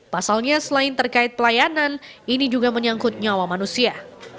pasalnya selain terkait pelayanan ini juga menyangkut nyawa manusia